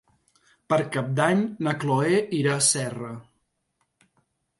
Per Cap d'Any na Cloè irà a Serra.